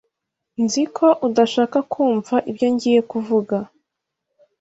Nzi ko udashaka kumva ibyo ngiye kuvuga.